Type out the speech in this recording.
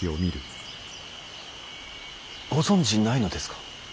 ご存じないのですか。